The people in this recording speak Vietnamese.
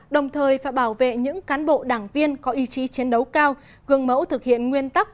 đồng thời phải bảo vệ những cán bộ đảng viên có ý chí chiến đấu cao gương mẫu thực hiện nguyên tắc